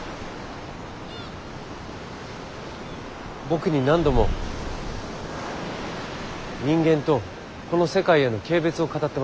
僕に何度も人間とこの世界への軽蔑を語ってました。